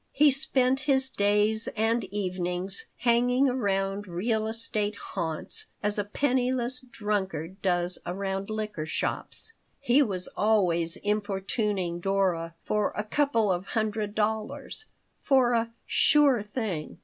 He spent his days and evenings hanging around real estate haunts as a penniless drunkard does around liquor shops. He was always importuning Dora for "a couple of hundred dollars" for a "sure thing."